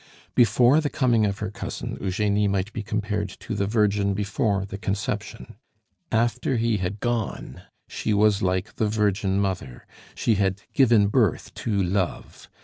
Before the coming of her cousin, Eugenie might be compared to the Virgin before the conception; after he had gone, she was like the Virgin Mother, she had given birth to love.